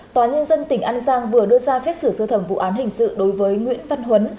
tòa nhân dân tỉnh an giang vừa đưa ra xét xử sơ thẩm vụ án hình sự đối với nguyễn văn huấn